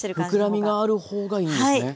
膨らみがある方がいいんですね。